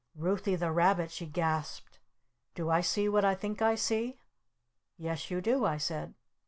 "Ruthy the Rabbit," she gasped. "Do I see what I think I see?" "Yes, you do!" I said.